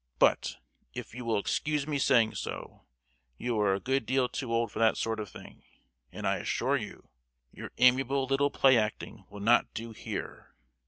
But, if you will excuse me saying so, you are a good deal too old for that sort of thing, and I assure you, your amiable little play acting will not do here!